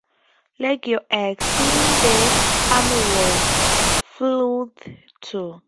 Legio X, seeing the army rout, fled too.